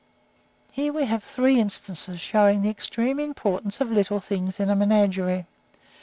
Here we have three instances showing the extreme importance of little things in a menagerie.